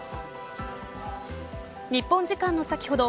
日本時間の先ほど